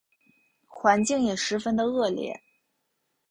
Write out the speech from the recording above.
环境也十分的恶劣